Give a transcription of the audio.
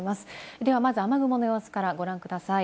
ではまず雨雲の様子からご覧ください。